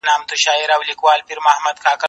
زه کولای سم موبایل کار کړم؟